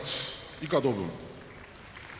以下同文。